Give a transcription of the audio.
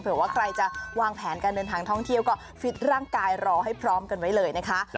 ว่าใครจะวางแผนการเดินทางท่องเที่ยวก็ฟิตร่างกายรอให้พร้อมกันไว้เลยนะคะ